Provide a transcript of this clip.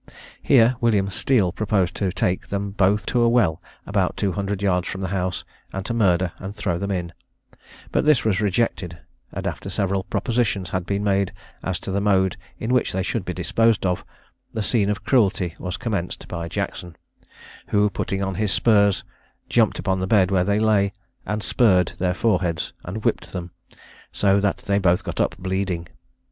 Here William Steele proposed to take them both to a well about two hundred yards from the house, and to murder and throw them in; but this was rejected, and after several propositions had been made as to the mode in which they should be disposed of, the scene of cruelty was commenced by Jackson, who, putting on his spurs, jumped upon the bed where they lay, and spurred their foreheads, and then whipped them; so that they both got up bleeding.